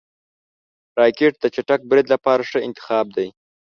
راکټ د چټک برید لپاره ښه انتخاب دی